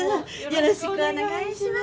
よろしくお願いします。